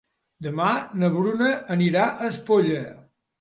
Demà na Bruna anirà a Espolla.